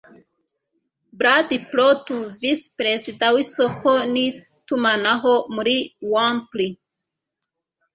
brad plothow, visi perezida w'isoko n'itumanaho muri womply